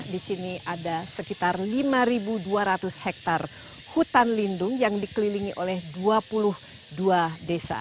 di sini ada sekitar lima dua ratus hektare hutan lindung yang dikelilingi oleh dua puluh dua desa